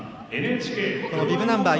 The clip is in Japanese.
ビブナンバー